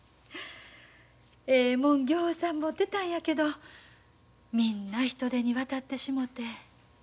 ええもんぎょうさん持ってたんやけどみんな人手に渡ってしもて。